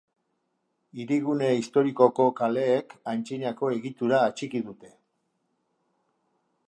Hirigune historikoko kaleek aitzinako egitura atxiki dute.